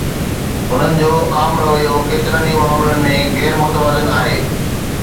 انهن جو عام رويو ڪيترن ئي معاملن ۾ غير متوازن آهي.